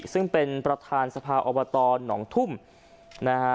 ซึ่งเป็นประธานสภาอบตหนองทุ่มนะฮะ